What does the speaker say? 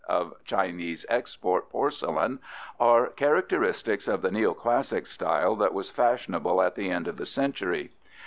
6) of Chinese export porcelain are characteristics of the neoclassic style that was fashionable at the end of the century.